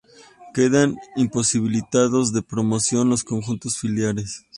Quedan imposibilitados de promoción los conjuntos filiales.